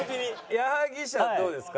矢作舎どうですか？